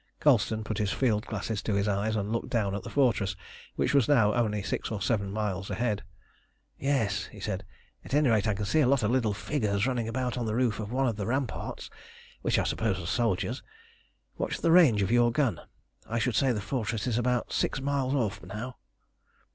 Colston put his field glass to his eyes, and looked down at the fortress, which was now only six or seven miles ahead. "Yes," he said, "at any rate I can see a lot of little figures running about on the roof of one of the ramparts, which I suppose are soldiers. What's the range of your gun? I should say the fortress is about six miles off now."